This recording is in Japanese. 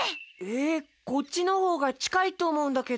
えっこっちのほうがちかいとおもうんだけど。